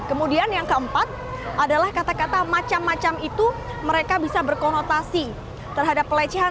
kemudian yang keempat adalah kata kata macam macam itu mereka bisa berkonotasi terhadap pelecehan